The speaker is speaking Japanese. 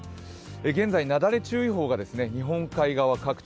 現在、なだれ注意報が日本海側各地